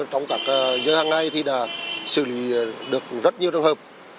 trong các giờ hàng ngày thì đã xử lý được rất nhiều trường hợp